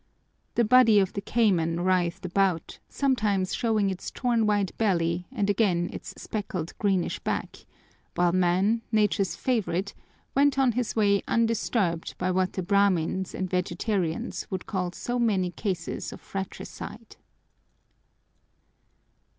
The body of the cayman writhed about, sometimes showing its torn white belly and again its speckled greenish back, while man, Nature's favorite, went on his way undisturbed by what the Brahmins and vegetarians would call so many cases of fratricide.